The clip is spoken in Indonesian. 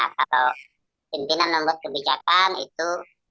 kalau pimpinan membuat kebijakan itu